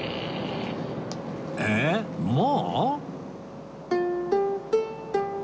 えっもう？